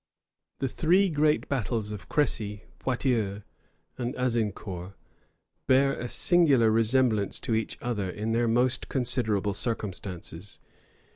The three great battles of Crecy, Poictiers, and Azincour bear a singular resemblance to each other in their most considerable circumstances.